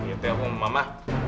ini itu aku mau mama